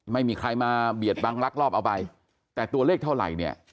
ไม่มีใครมาเบียดบังลักลอบเอาไปแต่ตัวเลขเท่าไหร่เนี่ย